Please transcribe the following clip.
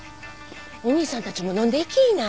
お兄さんたちも飲んでいきいな。